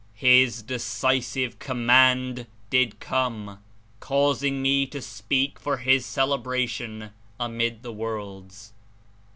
His decisive command did come, causing me to speak for His celebration amid the worlds.